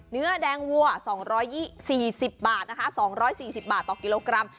เนื้อแดงวัว๒๔๐บาทต่อกิโลกรัม